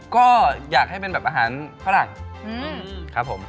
ก็อยากให้เป็นแบบอาหารฝรั่งครับผม